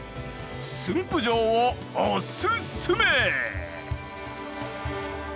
駿府城をおすすめ！